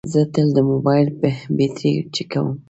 زه تل د موبایل بیټرۍ چیکوم.